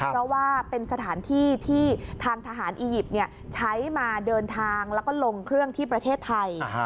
เพราะว่าเป็นสถานที่ที่ทางทหารอียิปต์ใช้มาเดินทางแล้วก็ลงเครื่องที่ประเทศไทย